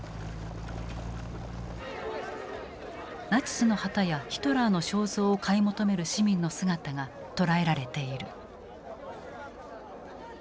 ナチスの旗やヒトラーの肖像を買い求める市民の姿が捉えられている。